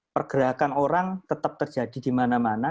pergerakan orang tetap terjadi di mana mana